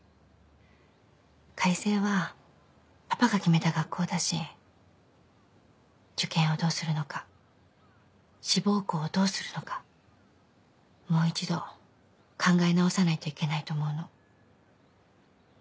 開成はパパが決めた学校だし受験をどうするのか志望校をどうするのかもう一度考え直さないといけないと思うの。